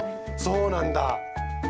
そうなんだ。